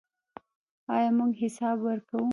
آیا موږ حساب ورکوو؟